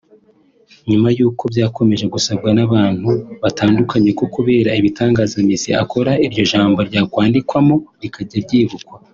nyuma y’uko byakomeje gusabwa n’abantu batandukanye ko kubera ibitangaza Messi akora iryo jambo ryakwandikwamo rikajya ryibukwa